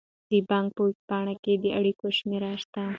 د بانک په ویب پاڼه کې د اړیکو شمیرې شته.